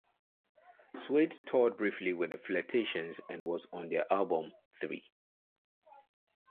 Suede toured briefly with The Flirtations and was on their album, Three.